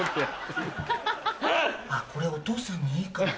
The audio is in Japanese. これお父さんにいいかも。